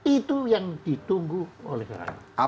itu yang ditunggu oleh rakyat